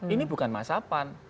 ini bukan masapan